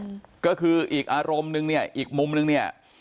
อืมก็คืออีกอารมณ์นึงเนี่ยอีกมุมนึงเนี่ย